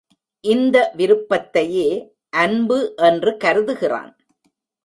இந்த விருப்பத்தையே அன்பு என்று கருதுகிறான்.